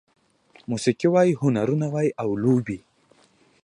موسيقي وای، هنرونه وای او لوبې